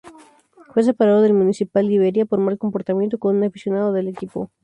Fue separado del Municipal Liberia por mal comportamiento con un aficionado del equipo.